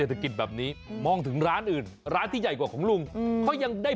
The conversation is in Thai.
ทุกคนก็อยากมีรายได้หาได้เจ้าง่ายขายข้องมา